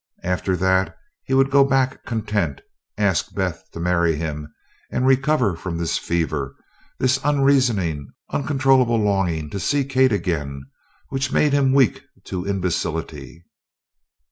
After that he would go back content, ask Beth to marry him, and recover from this fever, this unreasoning, uncontrollable longing to see Kate again, which made him weak to imbecility.